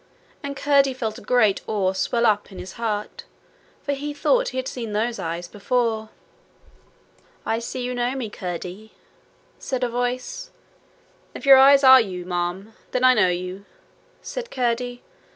And Curdie felt a great awe swell up in his heart, for he thought he had seen those eyes before. 'I see you know me, Curdie,' said a voice. 'If your eyes are you, ma'am, then I know you,' said Curdie.